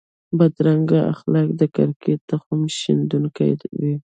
بدرنګه اخلاق د کرکې تخم شندونکي وي